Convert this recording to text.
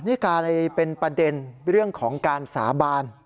นี่กลายเป็นประเด็นเรื่องของการสาบาน